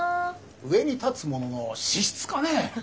上に立つ者の資質かねえ。